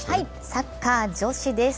サッカー女子です。